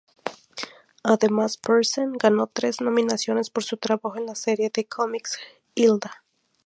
Además Pearson ganó tres nominaciones por su trabajo en la serie de cómics, "Hilda".